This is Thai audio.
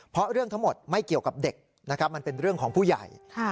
เพราะเรื่องทั้งหมดไม่เกี่ยวกับเด็กนะครับมันเป็นเรื่องของผู้ใหญ่